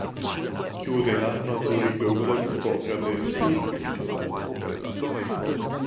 Chiude l'anno a Zurigo con la vittoria del "Zurich Christmas Open".